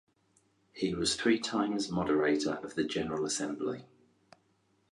He was three times Moderator of the General Assembly.